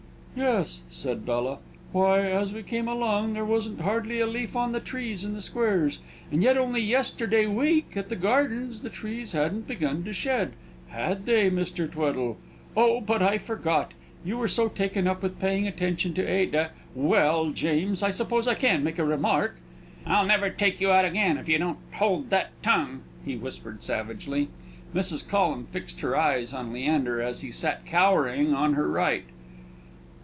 "Yes," said Bella. "Why, as we came along, there wasn't hardly a leaf on the trees in the squares; and yet only yesterday week, at the gardens, the trees hadn't begun to shed. Had they, Mr. Tweddle? Oh, but I forgot; you were so taken up with paying attention to Ada (Well, James! I suppose I can make a remark!)" "I'll never take you out again, if you don't hold that tongue," he whispered savagely. Mrs. Collum fixed her eyes on Leander, as he sat cowering on her right.